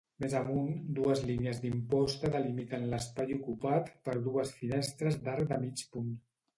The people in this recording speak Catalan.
Més amunt, dues línies d'imposta delimiten l'espai ocupat per dues finestres d'arc de mig punt.